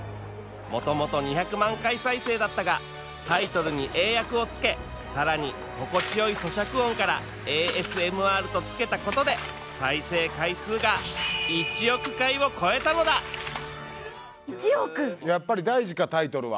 もともと２００万回再生だったがタイトルに英訳をつけさらに心地よいそしゃく音からＡＳＭＲとつけたことで再生回数が１億回を超えたのだやっぱり大事かタイトルは。